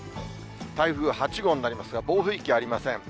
台風８号になりますが、暴風域はありません。